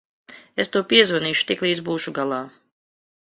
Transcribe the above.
Es tev piezvanīšu, tiklīdz būšu galā.